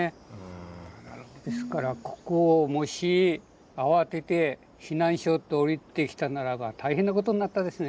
ですからここをもし慌てて避難しようと下りてきたならば大変なことになったですね。